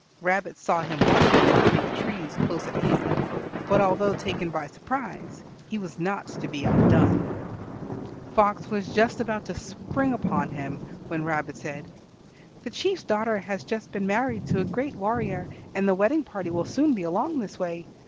Rabbit saw him watching him through the trees close at hand, but although taken by surprise, he was not to be outdone. Fox was just about to spring upon him when Rabbit said, "The Chief's daughter has just been married to a great warrior, and the wedding party will soon be along this way.